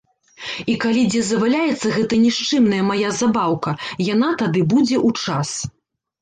І калі дзе заваляецца гэта нішчымная мая забаўка, яна тады будзе ў час.